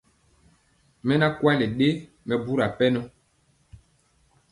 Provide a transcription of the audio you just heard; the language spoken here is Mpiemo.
Mɛ naa kwali ɗe mɛbura pɛnɔ.